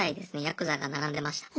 ヤクザが並んでました。